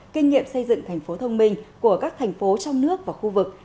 kinh nghiệm xây dựng tp thông minh của các thành phố trong nước và khu vực